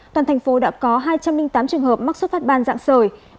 toàn thành phố đã có hai trăm linh tám trường hợp mắc xuất phát ban dạng sởi